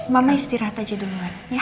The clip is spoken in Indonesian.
mama istirahat aja duluan